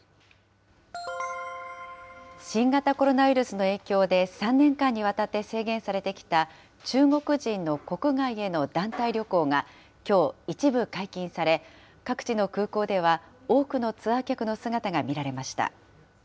新型コロナウイルスの影響で３年間にわたって制限されてきた中国人の国外への団体旅行が、きょう、一部解禁され、各地の空港では、多くのツアー客の姿が見られました。